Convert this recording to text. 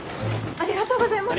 ありがとうございます。